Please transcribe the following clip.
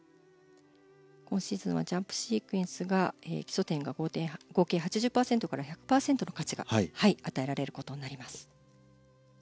今シーズンはジャンプシークエンスが基礎点が合計８０％から１００％の価値が与えられることになります。